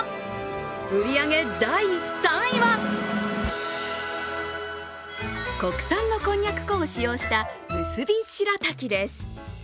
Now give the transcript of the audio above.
売り上げ第３位は、国産のこんにゃく粉を使用した結び白滝です。